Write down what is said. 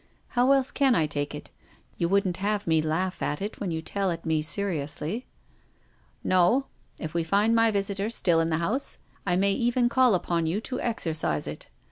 How else can I take it ? You wouldn't have me laugh at it when you tell it me seriously?" " No. If we find my visitor still in the house, I may even call upon you to exorcise it.